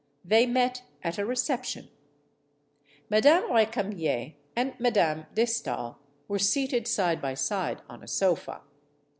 They met at a reception. Madame Recamier and Madame de Stael were seated side by side on a sofa.